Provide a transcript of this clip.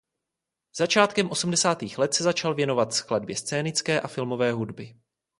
Začátkem osmdesátých let se začal věnovat skladbě scénické a filmové hudby.